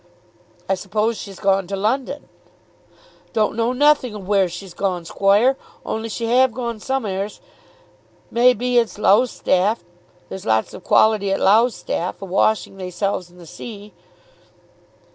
"I suppose she's gone to London." "Don't know nothing of where she's gone, squoire; only she have gone some'eres. May be it's Lowestoffe. There's lots of quality at Lowestoffe a' washing theyselves in the sea."